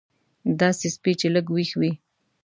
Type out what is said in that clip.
داسې سپی چې لږ وېښ وي.